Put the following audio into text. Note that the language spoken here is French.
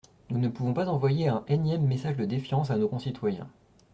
Nous ne pouvons pas envoyer un énième message de défiance à nos concitoyens.